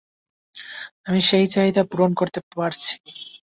আমরা সেই চাহিদা পূরণ করতে পারছি।